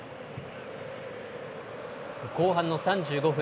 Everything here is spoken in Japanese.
後半の３５分。